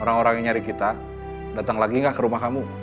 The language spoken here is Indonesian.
orang orang yang nyari kita datang lagi nggak ke rumah kamu